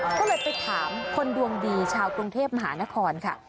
ก็เลยไปถามคนดวงดีชาวกรุงเทพมหานครค่ะ